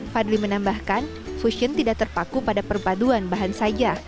fadli menambahkan fusion tidak terpaku pada perpaduan bahan saja